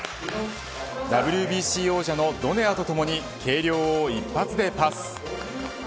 ＷＢＣ王者のドネアとともに計量を一発でパス。